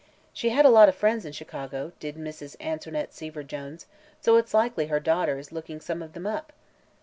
She had a lot of friends in Chicago, did Mrs. Antoinette Seaver Jones, so it's likely her daughter is looking some of them up."